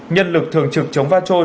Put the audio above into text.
nhân lực thường trực chống va trôi